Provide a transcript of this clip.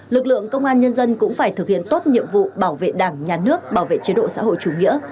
lực lượng công an nhân dân cũng phải thực hiện tốt nhiệm vụ bảo vệ đảng nhà nước bảo vệ chế độ xã hội chủ nghĩa